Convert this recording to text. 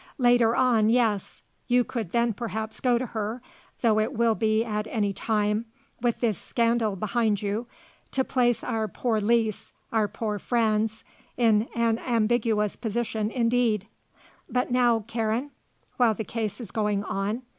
Later on, yes; you could then perhaps go to her, though it will be at any time, with this scandal behind you, to place our poor Lise, our poor Franz, in an ambiguous position indeed. But now, Karen? While the case is going on?